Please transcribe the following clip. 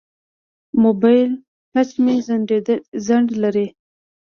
د موبایل ټچ مې ځنډ لري.